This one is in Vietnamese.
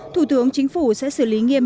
thủ tướng chính phủ sẽ xử lý nghiêm